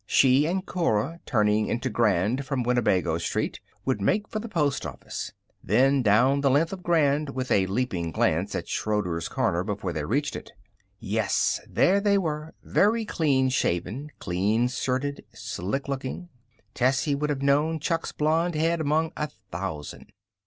She and Cora, turning into Grand from Winnebago Street, would make for the post office. Then down the length of Grand with a leaping glance at Schroeder's corner before they reached it. Yes, there they were, very clean shaven, clean shirted, slick looking. Tessie would have known Chuck's blond head among a thousand.